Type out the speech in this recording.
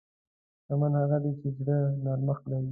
شتمن هغه دی چې د زړه نرمښت لري.